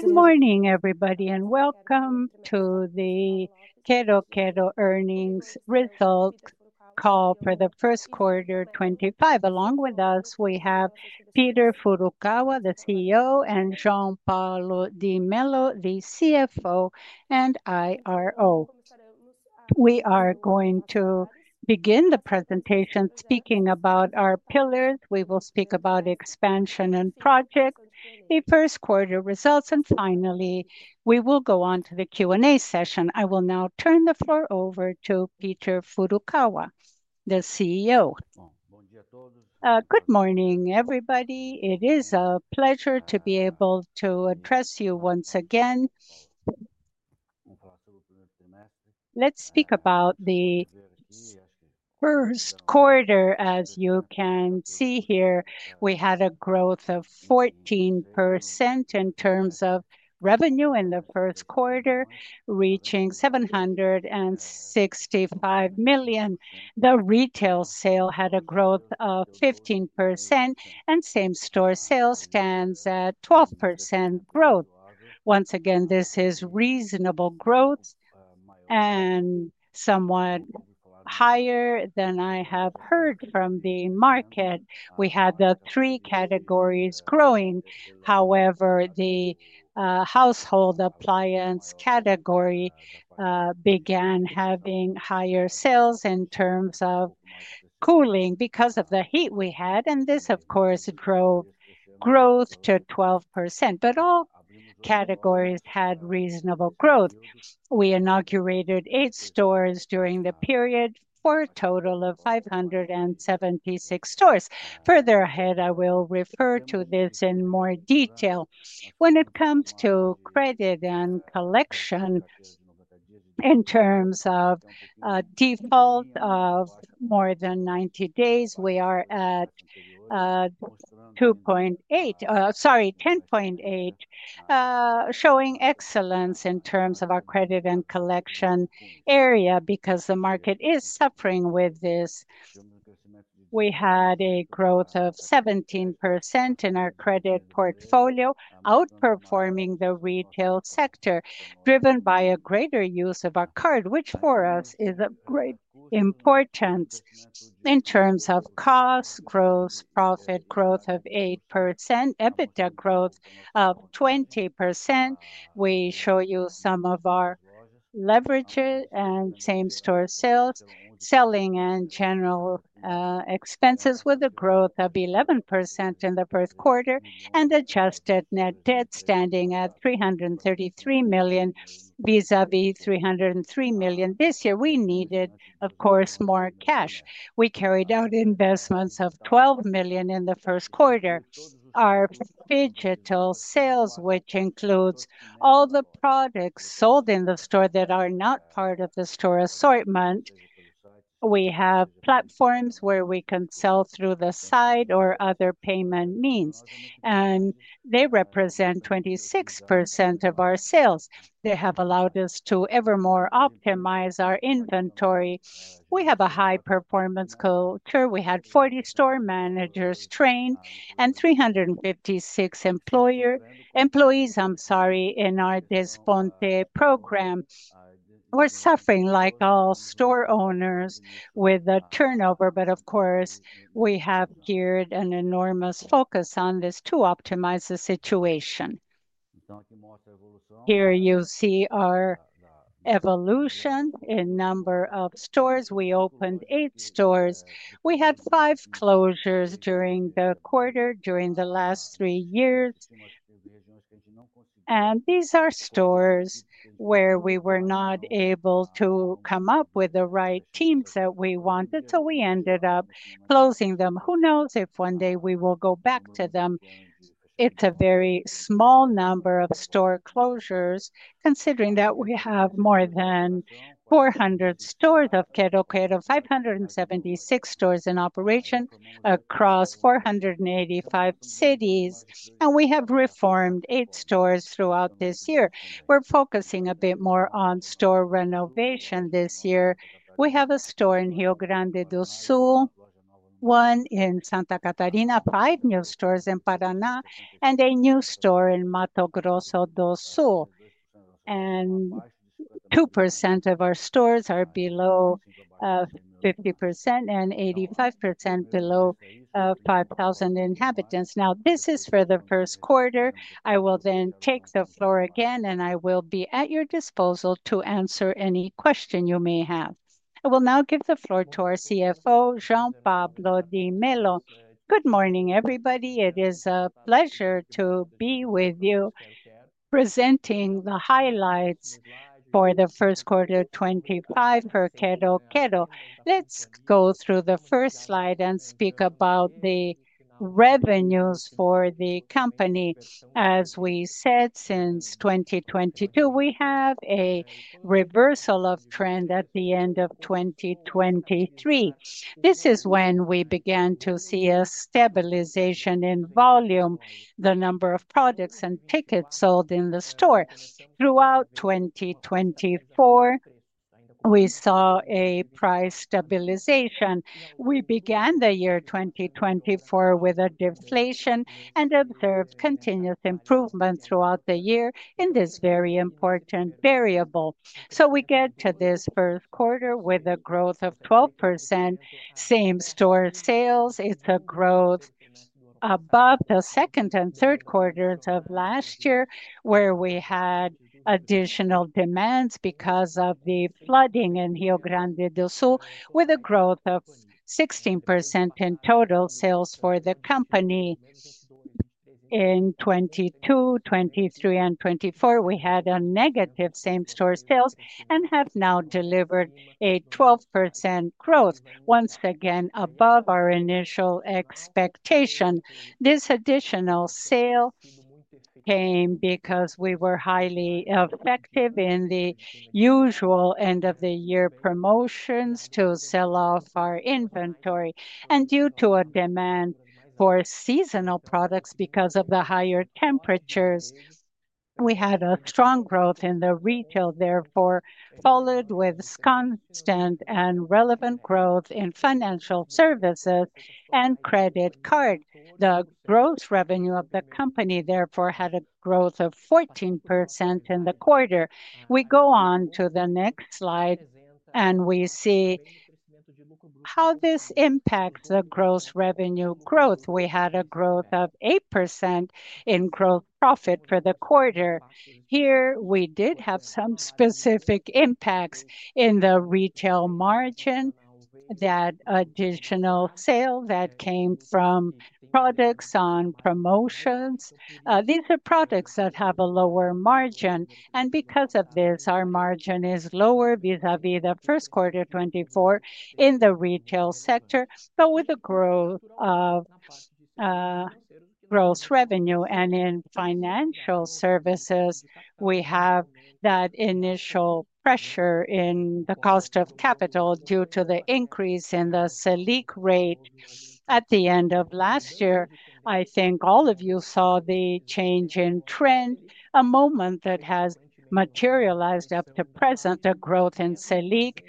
Good morning, everybody, and Welcome to the Quero-Quero earnings results call for the first quarter 2025. Along with us, we have Peter Furukawa, the CEO, and Jean Paulo de Mello, the CFO and IRO. We are going to begin the presentation speaking about our pillars. We will speak about expansion and projects, the first quarter results, and finally, we will go on to the Q&A session. I will now turn the floor over to Peter Furukawa, the CEO. Good morning, everybody. It is a pleasure to be able to address you once again. Let's speak about the first quarter. As you can see here, we had a growth of 14% in terms of revenue in the first quarter, reaching 765 million. The retail sale had a growth of 15%, and same-store sales stands at 12% growth. Once again, this is reasonable growth and somewhat higher than I have heard from the market. We had the three categories growing. However, the household appliance category began having higher sales in terms of cooling because of the heat we had, and this, of course, drove growth to 12%. All categories had reasonable growth. We inaugurated eight stores during the period for a total of 576 stores. Further ahead, I will refer to this in more detail. When it comes to credit and collection, in terms of default of more than 90 days, we are at 2.8%, sorry, 10.8%, showing excellence in terms of our credit and collection area because the market is suffering with this. We had a growth of 17% in our credit portfolio, outperforming the retail sector, driven by a greater use of our card, which for us is of great importance in terms of cost, gross profit growth of 8%, EBITDA growth of 20%. We show you some of our leverages and same-store sales, selling and general expenses with a growth of 11% in the first quarter and adjusted net debt standing at 333 million vis-à-vis 303 million this year. We needed, of course, more cash. We carried out investments of 12 million in the first quarter. Our digital sales, which includes all the products sold in the store that are not part of the store assortment, we have platforms where we can sell through the site or other payment means, and they represent 26% of our sales. They have allowed us to ever more optimize our inventory. We have a high-performance culture. We had 40 store managers trained and 356 employees, I'm sorry, in our DeFonte program. We're suffering like all store owners with a turnover, but of course, we have geared an enormous focus on this to optimize the situation. Here you see our evolution in number of stores. We opened eight stores. We had five closures during the quarter, during the last three years. These are stores where we were not able to come up with the right teams that we wanted, so we ended up closing them. Who knows if one day we will go back to them? It's a very small number of store closures, considering that we have more than 400 stores of Quero-Quero, 576 stores in operation across 485 cities, and we have reformed eight stores throughout this year. We're focusing a bit more on store renovation this year. We have a store in Rio Grande do Sul, one in Santa Catarina, five new stores in Paraná, and a new store in Mato Grosso do Sul. 2% of our stores are below 50% and 85% below 5,000 inhabitants. This is for the first quarter. I will then take the floor again, and I will be at your disposal to answer any question you may have. I will now give the floor to our CFO, Jean Paulo de Mello. Good morning, everybody. It is a pleasure to be with you presenting the highlights for the first quarter 2025 for Quero-Quero. Let's go through the first slide and speak about the revenues for the company. As we said, since 2022, we have a reversal of trend at the end of 2023. This is when we began to see a stabilization in volume, the number of products and tickets sold in the store. Throughout 2024, we saw a price stabilization. We began the year 2024 with a deflation and observed continuous improvement throughout the year in this very important variable. We get to this first quarter with a growth of 12% same-store sales. It is a growth above the second and third quarters of last year, where we had additional demands because of the flooding in Rio Grande do Sul, with a growth of 16% in total sales for the company. In 2022, 2023, and 2024, we had a negative same-store sales and have now delivered a 12% growth, once again above our initial expectation. This additional sale came because we were highly effective in the usual end-of-the-year promotions to sell off our inventory. Due to a demand for seasonal products because of the higher temperatures, we had a strong growth in the retail, therefore followed with constant and relevant growth in financial services and credit card. The gross revenue of the company, therefore, had a growth of 14% in the quarter. We go on to the next slide, and we see how this impacts the gross revenue growth. We had a growth of 8% in gross profit for the quarter. Here, we did have some specific impacts in the retail margin, that additional sale that came from products on promotions. These are products that have a lower margin. Because of this, our margin is lower vis-à-vis the first quarter 2024 in the retail sector, but with a growth of gross revenue. In financial services, we have that initial pressure in the cost of capital due to the increase in the SELIC rate at the end of last year. I think all of you saw the change in trend, a moment that has materialized up to present, a growth in SELIC.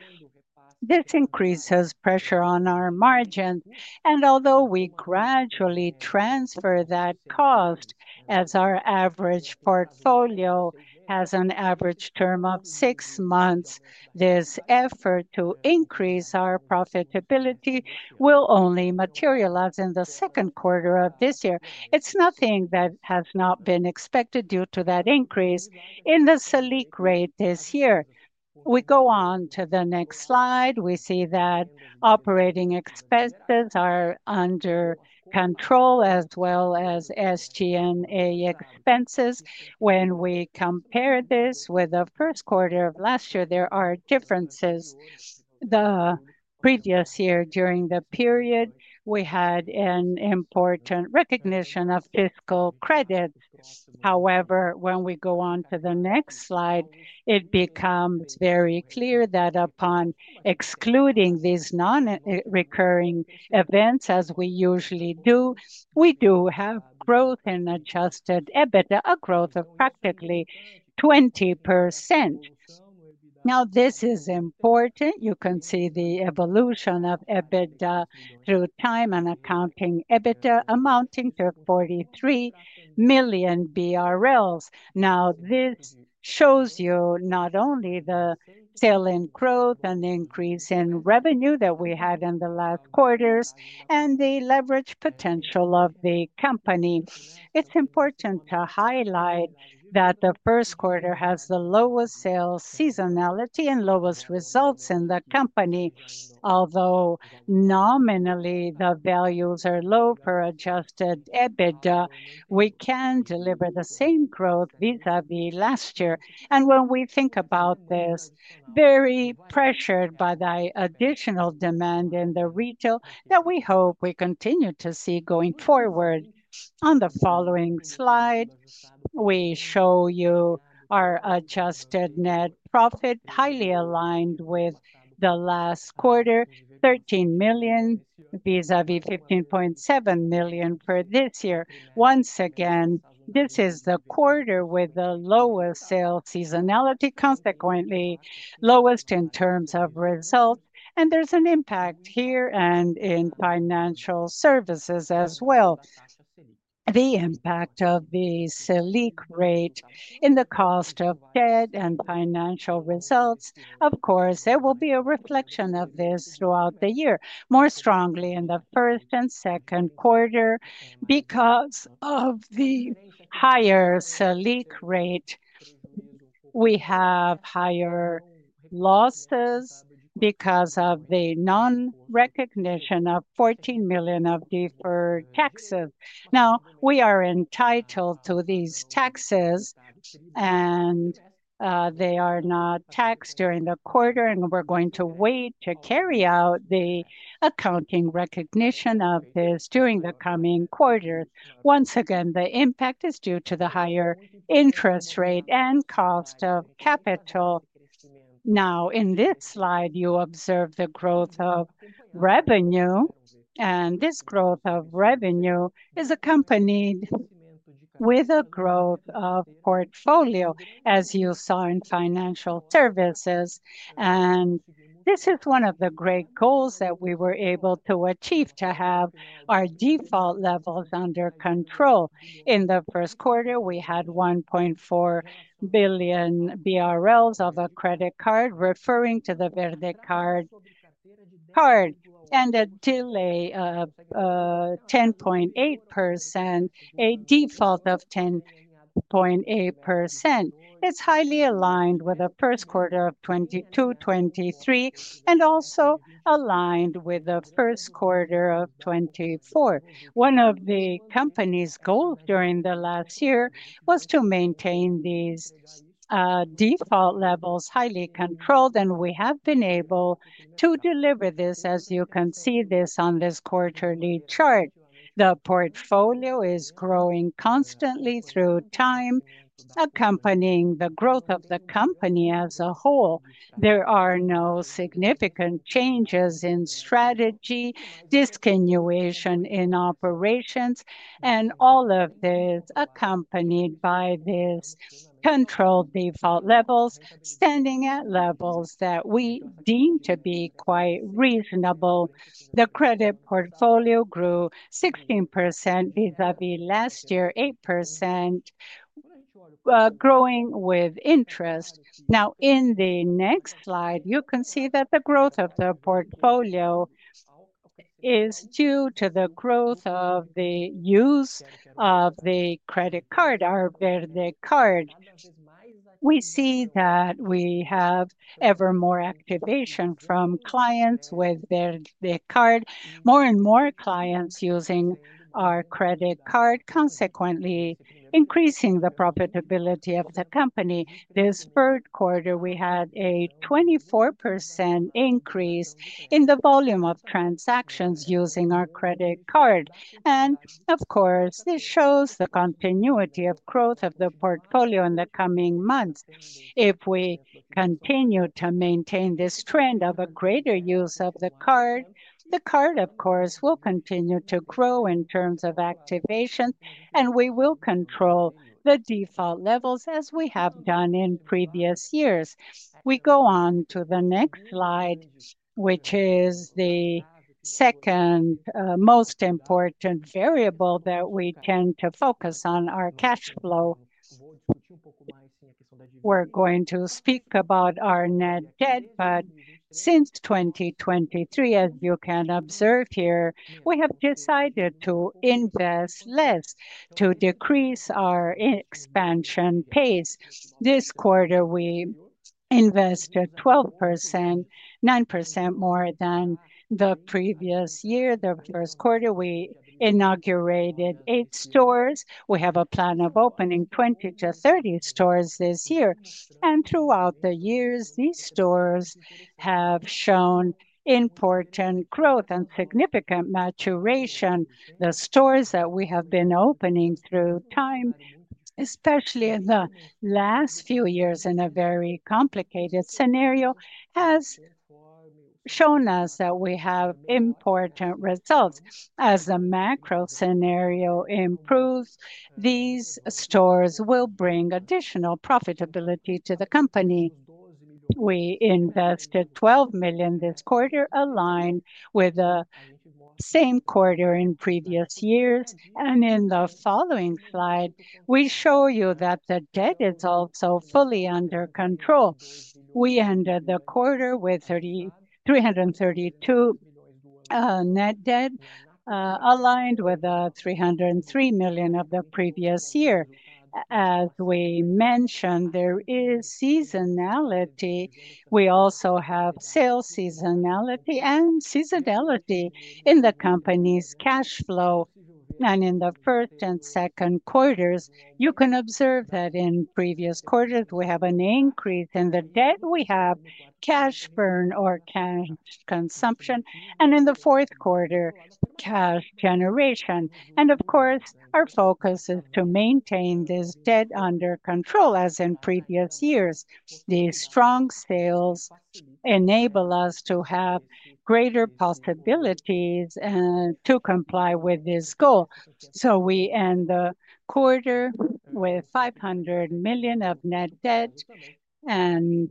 This increases pressure on our margins. Although we gradually transfer that cost, as our average portfolio has an average term of six months, this effort to increase our profitability will only materialize in the second quarter of this year. It is nothing that has not been expected due to that increase in the SELIC rate this year. We go on to the next slide. We see that operating expenses are under control as well as SG&A expenses. When we compare this with the first quarter of last year, there are differences. The previous year, during the period, we had an important recognition of fiscal credits. However, when we go on to the next slide, it becomes very clear that upon excluding these non-recurring events, as we usually do, we do have growth in adjusted EBITDA, a growth of practically 20%. Now, this is important. You can see the evolution of EBITDA through time and accounting EBITDA amounting to 43 million BRL. Now, this shows you not only the sale and growth and increase in revenue that we had in the last quarters and the leverage potential of the company. It's important to highlight that the first quarter has the lowest sales seasonality and lowest results in the company. Although nominally the values are low for adjusted EBITDA, we can deliver the same growth vis-à-vis last year. When we think about this, very pressured by the additional demand in the retail that we hope we continue to see going forward. On the following slide, we show you our adjusted net profit, highly aligned with the last quarter, 13 million vis-à-vis 15.7 million for this year. Once again, this is the quarter with the lowest sales seasonality, consequently lowest in terms of results. There is an impact here and in financial services as well. The impact of the SELIC rate in the cost of debt and financial results, of course, there will be a reflection of this throughout the year, more strongly in the first and second quarter because of the higher SELIC rate. We have higher losses because of the non-recognition of 14 million of deferred taxes. Now, we are entitled to these taxes, and they are not taxed during the quarter, and we're going to wait to carry out the accounting recognition of this during the coming quarter. Once again, the impact is due to the higher interest rate and cost of capital. Now, in this slide, you observe the growth of revenue, and this growth of revenue is accompanied with a growth of portfolio, as you saw in financial services. And this is one of the great goals that we were able to achieve to have our default levels under control. In the first quarter, we had 1.4 billion BRL of a credit card, referring to the Verde card, and a delay of 10.8%, a default of 10.8%. It's highly aligned with the first quarter of 2022, 2023, and also aligned with the first quarter of 2024. One of the company's goals during the last year was to maintain these default levels highly controlled, and we have been able to deliver this, as you can see this on this quarterly chart. The portfolio is growing constantly through time, accompanying the growth of the company as a whole. There are no significant changes in strategy, discontinuation in operations, and all of this accompanied by these controlled default levels, standing at levels that we deem to be quite reasonable. The credit portfolio grew 16% vis-à-vis last year, 8%, growing with interest. Now, in the next slide, you can see that the growth of the portfolio is due to the growth of the use of the credit card, our Verde card. We see that we have ever more activation from clients with Verde card, more and more clients using our credit card, consequently increasing the profitability of the company. This third quarter, we had a 24% increase in the volume of transactions using our credit card. Of course, this shows the continuity of growth of the portfolio in the coming months. If we continue to maintain this trend of a greater use of the card, the card, of course, will continue to grow in terms of activation, and we will control the default levels as we have done in previous years. We go on to the next slide, which is the second most important variable that we tend to focus on, our cash flow. We are going to speak about our net debt, but since 2023, as you can observe here, we have decided to invest less to decrease our expansion pace. This quarter, we invested 12%, 9% more than the previous year. The first quarter, we inaugurated eight stores. We have a plan of opening 20-30 stores this year. Throughout the years, these stores have shown important growth and significant maturation. The stores that we have been opening through time, especially in the last few years in a very complicated scenario, have shown us that we have important results. As the macro scenario improves, these stores will bring additional profitability to the company. We invested 12 million this quarter, aligned with the same quarter in previous years. In the following slide, we show you that the debt is also fully under control. We ended the quarter with 332 million net debt, aligned with 303 million of the previous year. As we mentioned, there is seasonality. We also have sales seasonality and seasonality in the company's cash flow. In the first and second quarters, you can observe that in previous quarters, we have an increase in the debt. We have cash burn or cash consumption. In the fourth quarter, cash generation. Our focus is to maintain this debt under control as in previous years. These strong sales enable us to have greater possibilities and to comply with this goal. We end the quarter with 500 million of net debt, and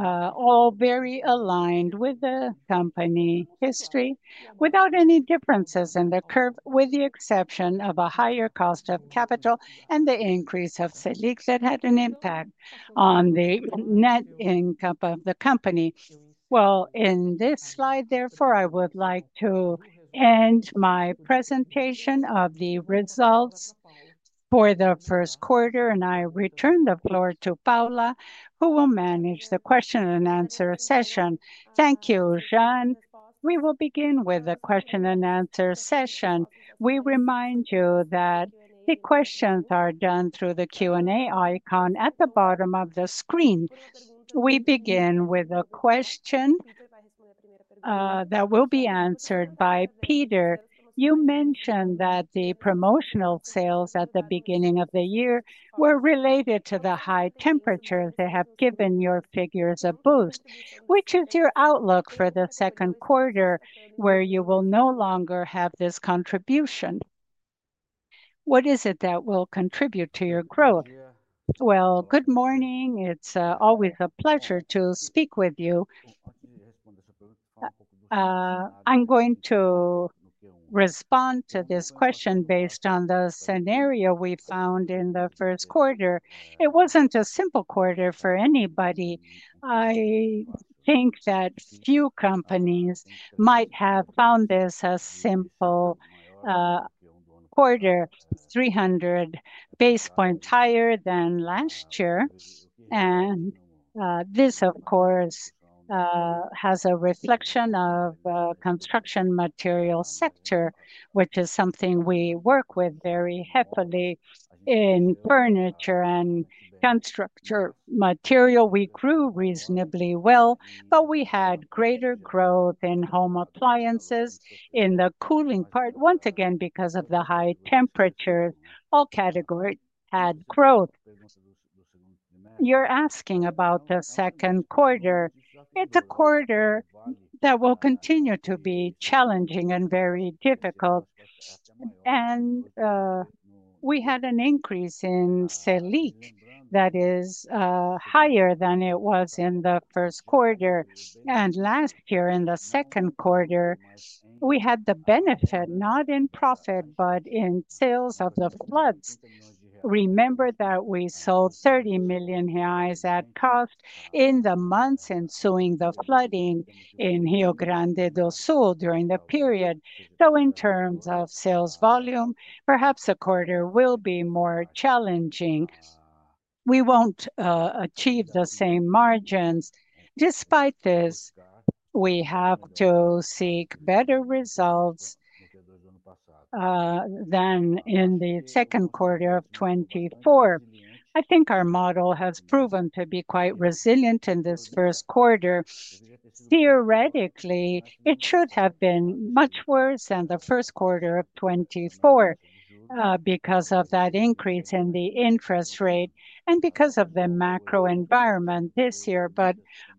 all very aligned with the company history without any differences in the curve, with the exception of a higher cost of capital and the increase of SELIC that had an impact on the net income of the company. In this slide, therefore, I would like to end my presentation of the results for the first quarter, and I return the floor to Paula, who will manage the question and answer session. Thank you, Jean. We will begin with the question and answer session. We remind you that the questions are done through the Q&A icon at the bottom of the screen. We begin with a question that will be answered by Peter. You mentioned that the promotional sales at the beginning of the year were related to the high temperatures. They have given your figures a boost. Which is your outlook for the second quarter, where you will no longer have this contribution? What is it that will contribute to your growth? Good morning. It's always a pleasure to speak with you. I'm going to respond to this question based on the scenario we found in the first quarter. It wasn't a simple quarter for anybody. I think that few companies might have found this a simple quarter, 300 basis points higher than last year. This, of course, has a reflection on the construction material sector, which is something we work with very heavily in furniture and construction material. We grew reasonably well, but we had greater growth in home appliances, in the cooling part, once again because of the high temperatures. All categories had growth. You're asking about the second quarter. It is a quarter that will continue to be challenging and very difficult. We had an increase in the SELIC rate that is higher than it was in the first quarter. Last year, in the second quarter, we had the benefit, not in profit, but in sales, of the floods. Remember that we sold 30 million reais at cost in the months ensuing the flooding in Rio Grande do Sul during the period. In terms of sales volume, perhaps the quarter will be more challenging. We will not achieve the same margins. Despite this, we have to seek better results than in the second quarter of 2024. I think our model has proven to be quite resilient in this first quarter. Theoretically, it should have been much worse than the first quarter of 2024 because of that increase in the interest rate and because of the macro environment this year.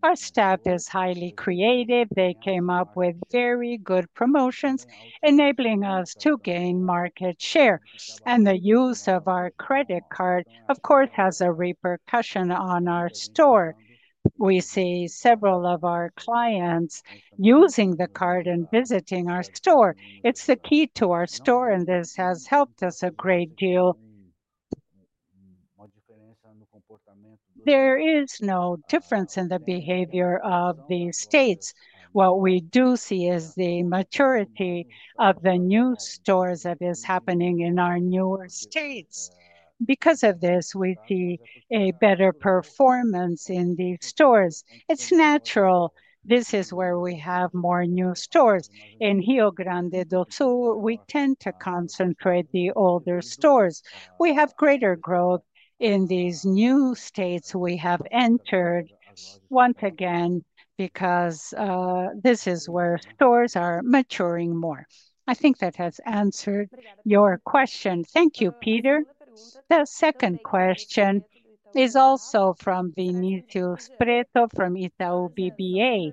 Our staff is highly creative. They came up with very good promotions, enabling us to gain market share. The use of our credit card, of course, has a repercussion on our store. We see several of our clients using the card and visiting our store. It's the key to our store, and this has helped us a great deal. There is no difference in the behavior of the states. What we do see is the maturity of the new stores that is happening in our newer states. Because of this, we see a better performance in these stores. It's natural. This is where we have more new stores. In Rio Grande do Sul, we tend to concentrate the older stores. We have greater growth in these new states we have entered, once again, because this is where stores are maturing more. I think that has answered your question. Thank you, Peter. The second question is also from Vinícius Preto from Itaú BBA,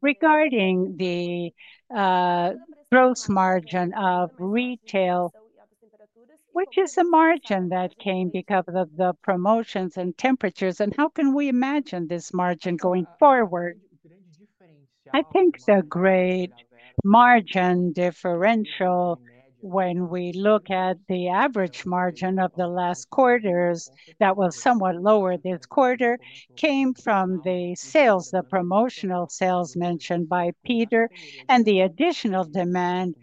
regarding the gross margin of retail, which is a margin that came because of the promotions and temperatures. How can we imagine this margin going forward? I think the great margin differential, when we look at the average margin of the last quarters that was somewhat lower this quarter, came from the sales, the promotional sales mentioned by Peter, and the additional demand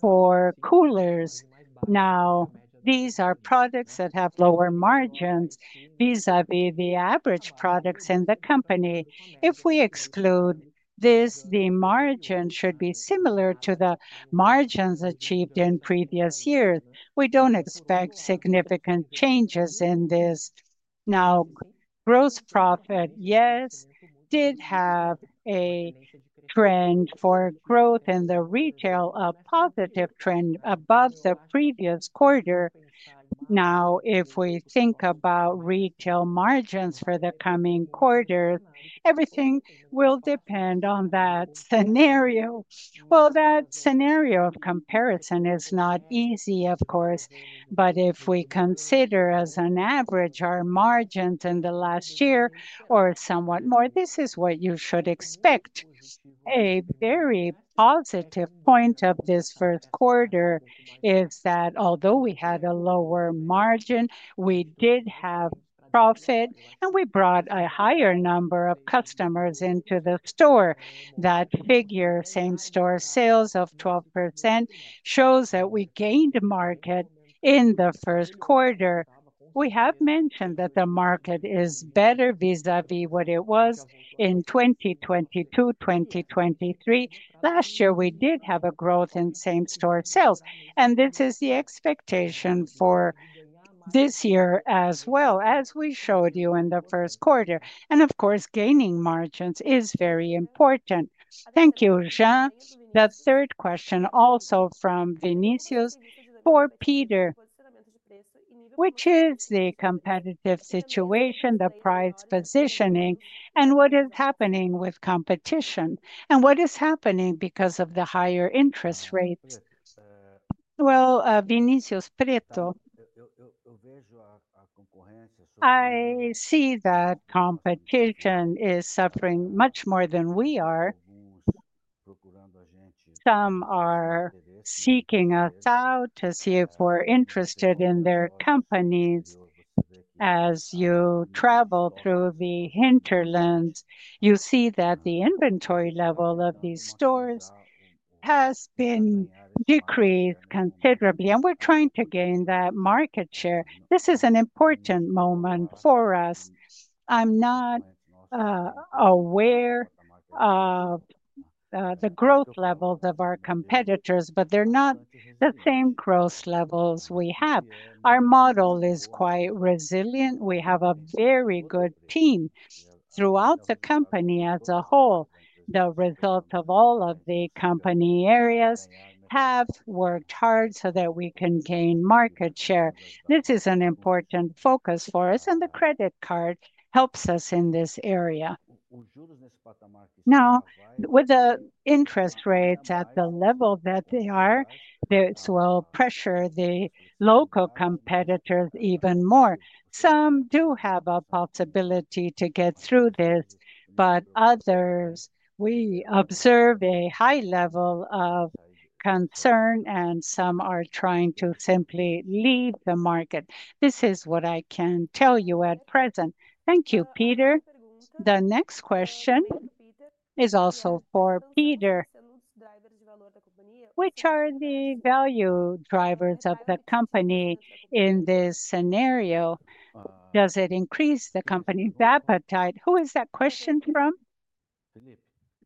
for coolers. Now, these are products that have lower margins vis-à-vis the average products in the company. If we exclude this, the margin should be similar to the margins achieved in previous years. We do not expect significant changes in this. Now, gross profit, yes, did have a trend for growth in the retail, a positive trend above the previous quarter. If we think about retail margins for the coming quarters, everything will depend on that scenario. That scenario of comparison is not easy, of course, but if we consider as an average our margins in the last year or somewhat more, this is what you should expect. A very positive point of this first quarter is that although we had a lower margin, we did have profit, and we brought a higher number of customers into the store. That figure, same-store sales of 12%, shows that we gained market in the first quarter. We have mentioned that the market is better vis-à-vis what it was in 2022, 2023. Last year, we did have a growth in same-store sales, and this is the expectation for this year as well, as we showed you in the first quarter. Of course, gaining margins is very important. Thank you, Jean. The third question also from Vinícius for Peter, which is the competitive situation, the price positioning, and what is happening with competition, and what is happening because of the higher interest rates. Vinícius Preto, I see that competition is suffering much more than we are. Some are seeking us out to see if we're interested in their companies. As you travel through the hinterlands, you see that the inventory level of these stores has been decreased considerably, and we're trying to gain that market share. This is an important moment for us. I'm not aware of the growth levels of our competitors, but they're not the same growth levels we have. Our model is quite resilient. We have a very good team throughout the company as a whole. The results of all of the company areas have worked hard so that we can gain market share. This is an important focus for us, and the credit card helps us in this area. Now, with the interest rates at the level that they are, this will pressure the local competitors even more. Some do have a possibility to get through this, but others, we observe a high level of concern, and some are trying to simply leave the market. This is what I can tell you at present. Thank you, Peter. The next question is also for Peter. Which are the value drivers of the company in this scenario? Does it increase the company's appetite? Who is that question from?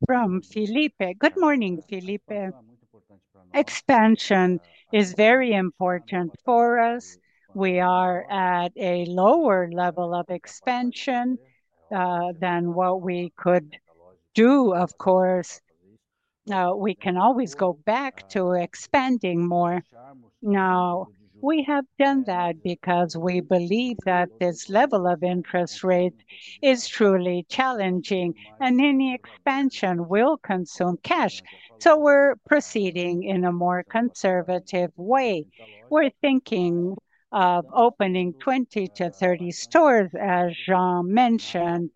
From Felipe. Good morning, Felipe. Expansion is very important for us. We are at a lower level of expansion than what we could do, of course. Now, we can always go back to expanding more. Now, we have done that because we believe that this level of interest rate is truly challenging, and any expansion will consume cash. So we're proceeding in a more conservative way. We're thinking of opening 20-30 stores, as Jean mentioned,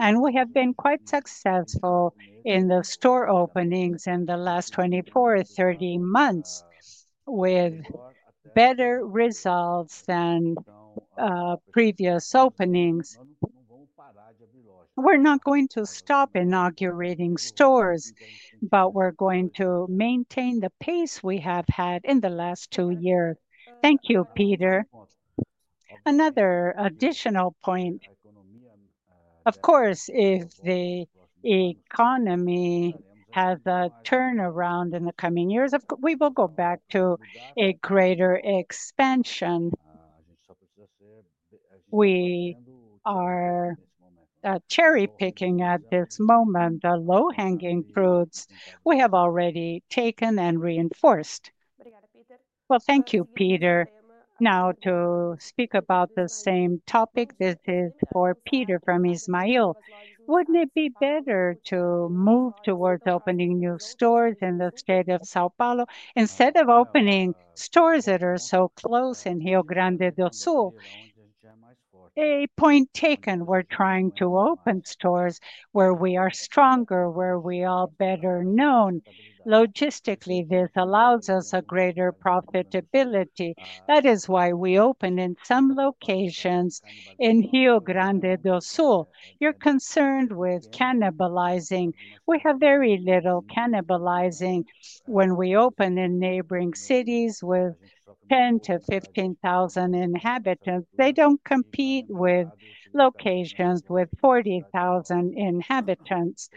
and we have been quite successful in the store openings in the last 24, 30 months with better results than previous openings. We're not going to stop inaugurating stores, but we're going to maintain the pace we have had in the last two years. Thank you, Peter. Another additional point. Of course, if the economy has a turnaround in the coming years, we will go back to a greater expansion. We are cherry-picking at this moment the low-hanging fruits we have already taken and reinforced. Thank you, Peter. Now, to speak about the same topic, this is for Peter from Ismail. Wouldn't it be better to move towards opening new stores in the state of São Paulo instead of opening stores that are so close in Rio Grande do Sul? A point taken. We're trying to open stores where we are stronger, where we are better known. Logistically, this allows us a greater profitability. That is why we open in some locations in Rio Grande do Sul. You're concerned with cannibalizing. We have very little cannibalizing when we open in neighboring cities with 10,000 to 15,000 inhabitants. They do not compete with locations with 40,000 inhabitants.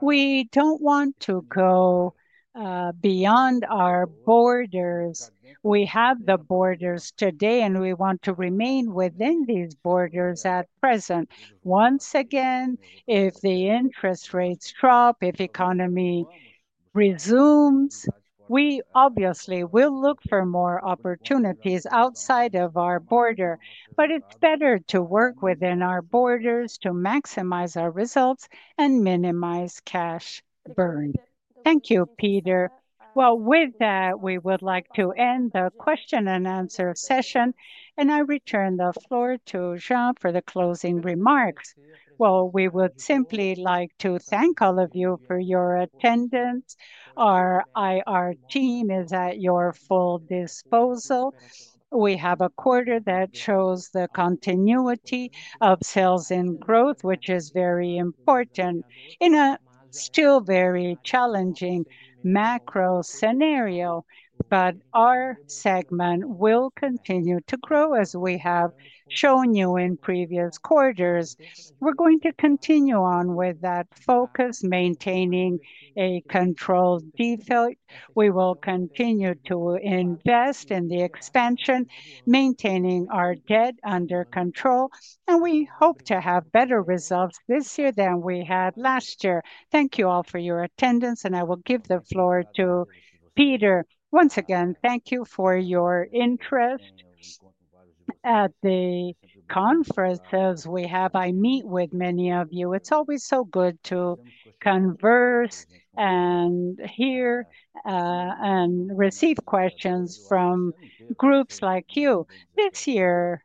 We do not want to go beyond our borders. We have the borders today, and we want to remain within these borders at present. Once again, if the interest rates drop, if the economy resumes, we obviously will look for more opportunities outside of our border. It is better to work within our borders to maximize our results and minimize cash burn. Thank you, Peter. With that, we would like to end the question and answer session, and I return the floor to Jean for the closing remarks. We would simply like to thank all of you for your attendance. Our IR team is at your full disposal. We have a quarter that shows the continuity of sales and growth, which is very important in a still very challenging macro scenario. Our segment will continue to grow, as we have shown you in previous quarters. We're going to continue on with that focus, maintaining a controlled defect. We will continue to invest in the expansion, maintaining our debt under control, and we hope to have better results this year than we had last year. Thank you all for your attendance, and I will give the floor to Peter. Once again, thank you for your interest at the conference as I meet with many of you. It's always so good to converse and hear and receive questions from groups like you. This year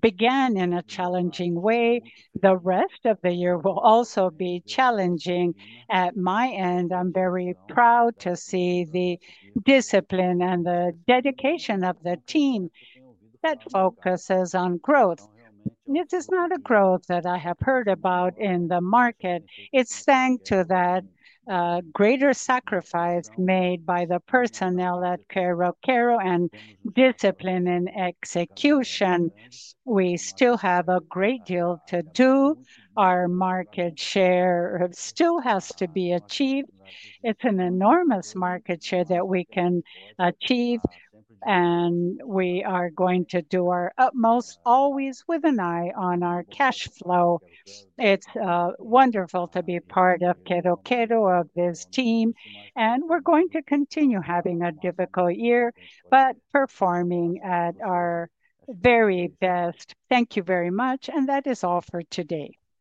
began in a challenging way. The rest of the year will also be challenging. At my end, I'm very proud to see the discipline and the dedication of the team that focuses on growth. This is not a growth that I have heard about in the market. It's thanks to that greater sacrifice made by the personnel at Quero-Quero and discipline and execution. We still have a great deal to do. Our market share still has to be achieved. It's an enormous market share that we can achieve, and we are going to do our utmost, always with an eye on our cash flow. It's wonderful to be part of Quero-Quero, of this team, and we're going to continue having a difficult year, but performing at our very best. Thank you very much, and that is all for today.